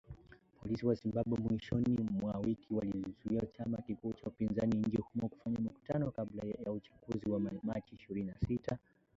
Polisi wa Zimbabwe mwishoni mwa wiki walikizuia chama kikuu cha upinzani nchini humo kufanya mikutano kabla ya uchaguzi wa machi ishirini na sita.